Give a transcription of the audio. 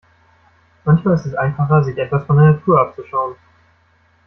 Manchmal ist es einfacher, sich etwas von der Natur abzuschauen.